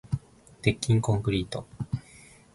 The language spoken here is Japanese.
鉄筋コンクリート